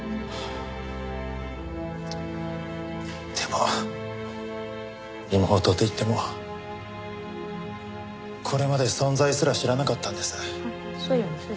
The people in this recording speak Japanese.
でも妹といってもこれまで存在すら知らなかったんです。